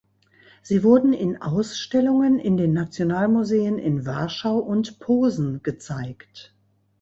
Sie wurden in Ausstellungen in den Nationalmuseen in Warschau und Posen gezeigt.